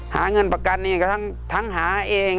หาเงินประกันเองก็ทั้งหาเอง